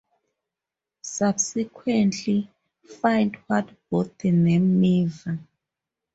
Subsequently, FindWhat bought the name Miva.